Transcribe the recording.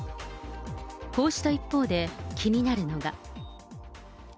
こうした一方で、気になるのが。